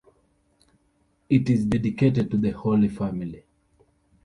It is dedicated to the Holy Family.